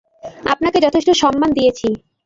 আপনাকে যথেষ্ট সম্মান দিয়েছি।